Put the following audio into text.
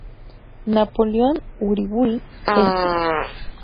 Napoleón Uriburu Este.